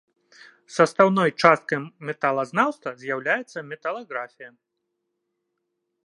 Састаўной частка металазнаўства з'яўляецца металаграфія.